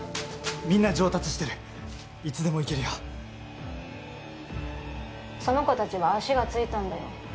みんな上達してるいつでもいけるよその子達は足がついたんだよ